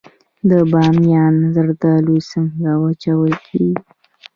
د بامیان زردالو څنګه وچول کیږي؟